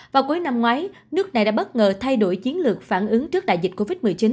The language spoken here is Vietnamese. vào cuối năm ngoái nước này đã bất ngờ thay đổi chiến lược phản ứng trước đại dịch covid một mươi chín